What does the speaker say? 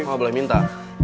oh boleh minta